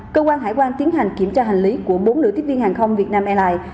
cơ quan hải quan tiến hành kiểm tra hành lý của bốn nữ tiếp viên hàng không vietnam airlines